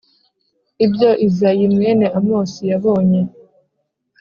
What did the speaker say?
Ibyo Izayi mwene Amosi yabonye